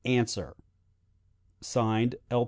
Answer. (Signed) "L.